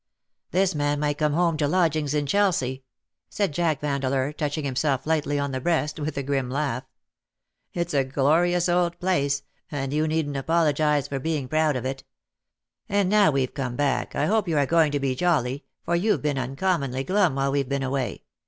^' This man might come home to lodgings in Chelsea," said Jack Vandeleur, touching himself lightly on the breast, with a grim laugh. " It's a glorious old place, and you needn't apologize for '^ I WILL HAVE NO MERCY ON HIM." 97 being proud of it. And now we've come back, I hope you are going to be jolly, for you've been uncommonly glum while weVe been away.